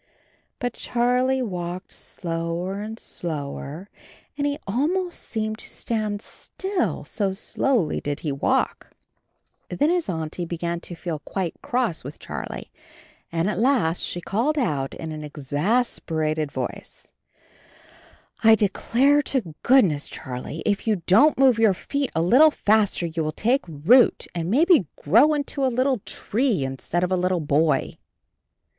But Charlie walked slower and slower and he almost seemed to stand still, so slowly did he walk. ANB HIS KITTEN TOPSY 41 Then his Auntie began to feel quite cross with Charlie and at last she called out in an ex as per a ted voice, 'T declare to goodness, Charlie, if you don't move your feet a little faster you will take root, and maybe grow into a httle tree instead of a little boy."